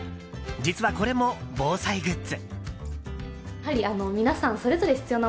実はこれも、防災グッズ。